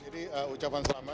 jadi ucapan selamat ya makasih